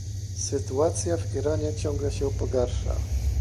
Sytuacja w Iranie ciągle się pogarsza